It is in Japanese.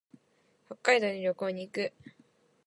北海道に旅行に行く。